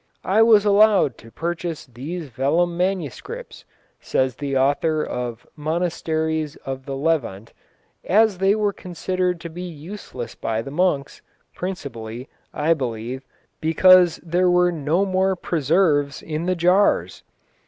"I was allowed to purchase these vellum manuscripts," says the author of Monasteries of the Levant, "as they were considered to be useless by the monks, principally, I believe, because there were no more preserves in the jars."